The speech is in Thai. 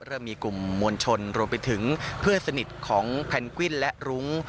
เริ่มมีกลุ่มมวลชนรวมไปถึงเพื่อนสนิทของแพนกวิ้นและรุ้ง